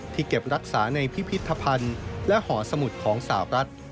เก็บรักษาในพิพิธภัณฑ์และหอสมุดของสาวรัฐ